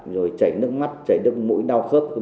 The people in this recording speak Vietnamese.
rồi chảy nước mắt chảy nước mũi đau khớp